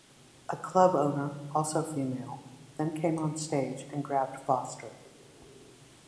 A club owner, also female, then came on stage and grabbed Foster.